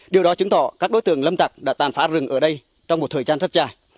điều đó chứng tỏ các đối tượng lâm tặc đã tàn phá rừng ở đây trong một thời gian rất dài